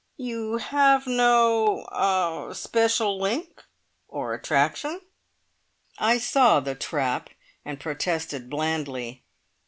"You have no er special link or attraction?" I saw the trap, and protested blandly.